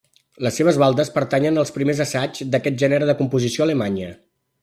Les seves baldes pertanyen als primers assaigs d'aquest gènere de composició a Alemanya.